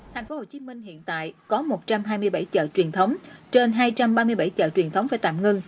tp hcm hiện tại có một trăm hai mươi bảy chợ truyền thống trên hai trăm ba mươi bảy chợ truyền thống phải tạm ngưng